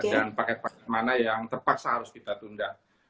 dan paket paket mana yang terpaksa harus kita tunda